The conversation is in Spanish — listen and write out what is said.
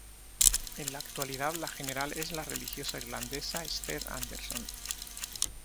En la actualidad la general es la religiosa irlandesa Esther Anderson.